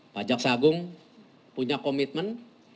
pak jaksa agung punya komitmen